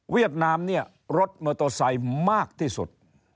เวียดนามรถมอเตอร์ไซค์มากที่สุด